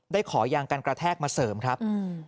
ได้ขอยางการกระแทกมาเสริมครับอืม